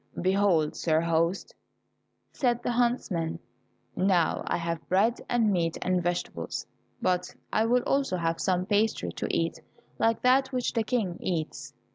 "Behold, sir host," said the huntsman, "now I have bread and meat and vegetables, but I will also have some pastry to eat like that which the King eats."